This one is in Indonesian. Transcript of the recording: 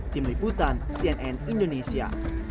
tim liputan cnn indonesia